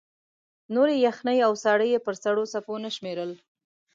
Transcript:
نورې یخنۍ او ساړه یې پر سړو څپو نه شمېرل.